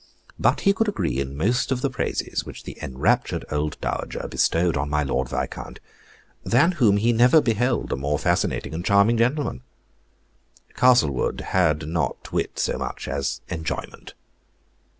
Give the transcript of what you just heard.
But he could agree in most of the praises which the enraptured old dowager bestowed on my Lord Viscount, than whom he never beheld a more fascinating and charming gentleman. Castlewood had not wit so much as enjoyment.